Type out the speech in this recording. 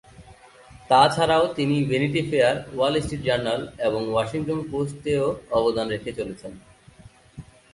তা ছাড়াও তিনি Vanity Fair, Wall Street Journal, এবং "ওয়াশিংটন পোস্ট" তে ও অবদান রেখে চলেছেন।